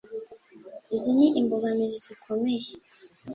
izi ni imbogamizi zikomeye